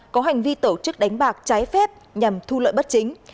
có hành vi tổ chức đánh bạc trái phép nhằm thu lợi bất chính